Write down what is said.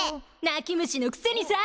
泣き虫のくせにさ！